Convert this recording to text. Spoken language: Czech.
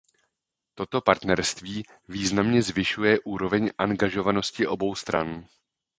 Toto partnerství významně zvyšuje úroveň angažovanosti obou stran.